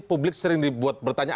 publik sering dibuat bertanya